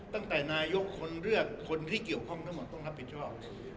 ตั้งแต่นายกคนเลือกคนที่เกี่ยวข้องทั้งหมดต้องรับผิดชอบ